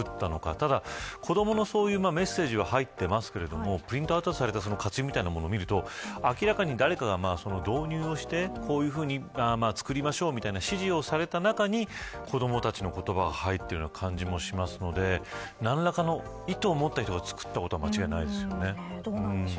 ただ、子どものそういうメッセージは入っていますけれどプリントアウトされた活字みたいなもの見ると明らかに誰かが導入をしてこういうふうに作りましょうみたいな指示をされた中に子どもたちの言葉が入っている感じもしますので何らかの意図を持った人が作ったことは間違いないですよね。